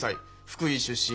福井出身。